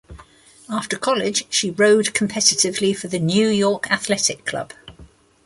After college she rowed competitively for the New York Athletic Club.